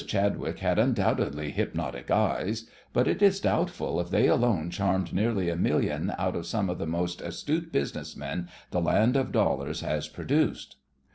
Chadwick had undoubtedly "hypnotic eyes," but it is doubtful if they alone charmed nearly a million out of some of the most astute business men the land of dollars has produced.